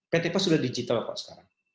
pt pos sudah digital kok sekarang